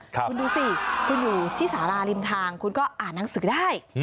คุณดูสิคุณอยู่ที่สาราริมทางคุณก็อ่านหนังสือได้